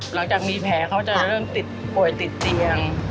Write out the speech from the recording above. หลังจากมีแผลเขาจะเริ่มติดป่วยติดเตียง